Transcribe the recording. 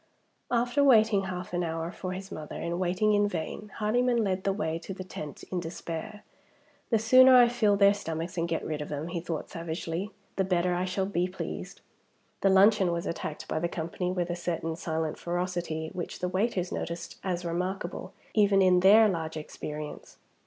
After waiting half an hour for his mother, and waiting in vain, Hardyman led the way to the tent in despair. "The sooner I fill their stomachs and get rid of them," he thought savagely, "the better I shall be pleased!" The luncheon was attacked by the company with a certain silent ferocity, which the waiters noticed as remarkable, even in their large experience.